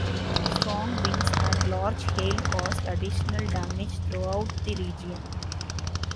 Strong winds and large hail caused additional damage throughout the region.